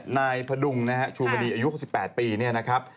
นายพระดุงชูเบอร์ดีอายุประมาณ๑๘ปี